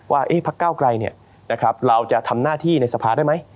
พักเก้าไกลเราจะทำหน้าที่ในสภาได้ไหม